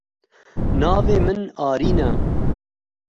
Navê min Arîn e.